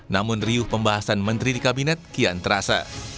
namun riuh pembahasan menteri di kabinet kian terasa